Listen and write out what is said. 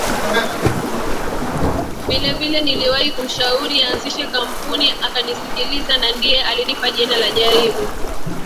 vilevile niliwahi kumshauri aanzishe kampuni akanisikiliza na ndiye alinipa jina la jaribu